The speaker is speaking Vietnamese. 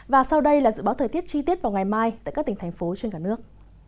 và sau đây là dự báo thời tiết chi tiết vào ngày mai tại các tỉnh thành phố trên cả nước